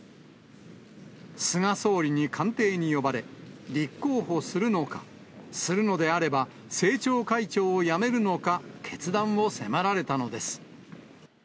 菅総理に官邸に呼ばれ、立候補するのか、するのであれば、政調会長を辞めるのか、決断を迫られたのです。